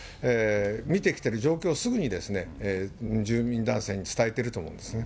見てきてる状況を、すぐに住民男性に伝えてると思うんですね。